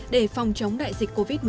để phòng chống đại dịch covid một mươi chín